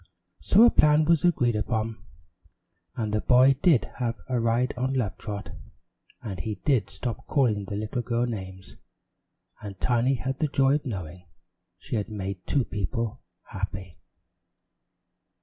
So a plan was agreed upon, and the boy did have a ride on Love Trot, and he did stop calling the little girl names, and Tiny had the joy of knowing she had made two people happy.